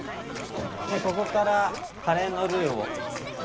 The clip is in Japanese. でここからカレーのルウを。